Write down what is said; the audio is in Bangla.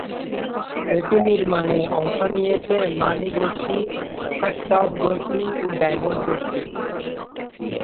এটি নির্মাণে অংশ নিয়েছে মানি গোষ্ঠী, সাট্টাভ গোষ্ঠী ও ডায়মন্ড গোষ্ঠী।